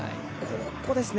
ここですね。